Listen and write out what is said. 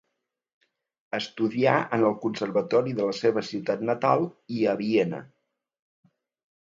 Estudià en el Conservatori de la seva ciutat natal i a Viena.